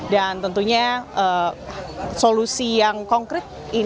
dan tentunya solusi yang konkret